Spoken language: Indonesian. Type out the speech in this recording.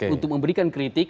untuk memberikan kritik